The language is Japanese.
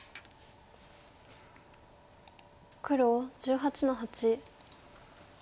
黒１８の八。